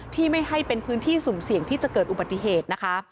ไม่ให้เป็นพื้นที่สุ่มเสี่ยงที่จะเกิดอุบัติเหตุนะคะ